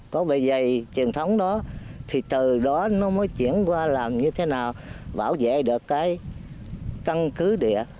có bề dày truyền thống đó thì từ đó nó mới chuyển qua làm như thế nào bảo vệ được cái căn cứ địa